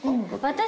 私？